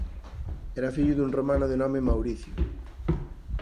Era fillo dun romano de nome Mauricio.